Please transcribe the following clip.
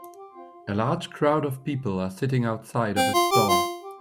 A large crowd of people are sitting outside of a store.